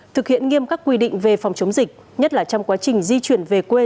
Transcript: thực hiện nghiêm các quy định về phòng chống dịch nhất là trong quá trình di chuyển về quê